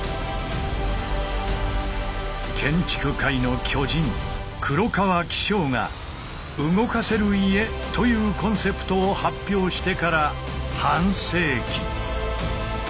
建築界の巨人黒川紀章が「動かせる家」というコンセプトを発表してから半世紀。